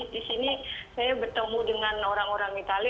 di sini saya bertemu dengan orang orang itali